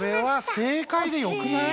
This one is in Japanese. これは正解でよくない？